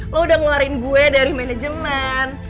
lo udah ngeluarin gue dari manajemen